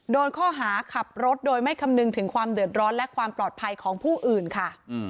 โดนข้อหาขับรถโดยไม่คำนึงถึงความเดือดร้อนและความปลอดภัยของผู้อื่นค่ะ